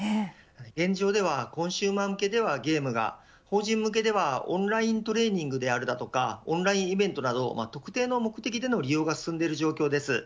現状ではコンシューマー向けではゲームが法人向けではオンライントレーディングだとかオンラインイベントなど特定の目的での利用が進んでいる状況です。